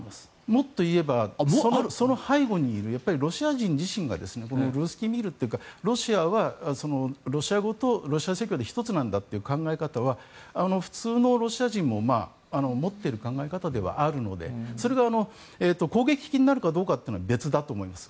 もっと言えばその背後にいるのはロシア人自身がルースキー・ミールというかロシアはロシア語とロシア正教で１つなんだという考え方は普通のロシア人も持っている考え方ではあるのでそれが攻撃的になるかどうかというのは別だと思います。